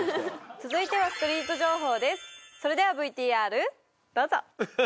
続いてストリート情報！